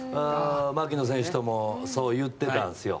槙野選手ともそう言ってたんですよ。